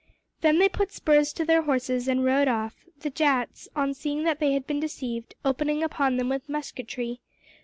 Then they put spurs to their horses, and rode off the Jats, on seeing that they had been deceived, opening upon them with musketry.